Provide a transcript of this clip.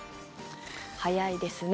早いですね。